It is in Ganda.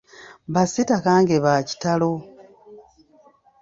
Ba sitakange baakitalo.